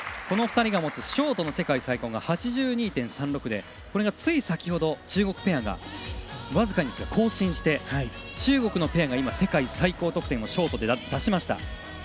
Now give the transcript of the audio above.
この２人が持つショートの世界最高が８２．３６で、これがつい先ほど中国ペアが僅かですが更新して中国のペアが世界最高得点をショートで出しました。